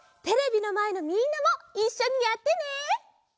テレビのまえのみんなもいっしょにやってね。